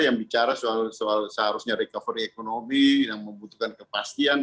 yang bicara seharusnya tentang recovery ekonomi yang membutuhkan kepastian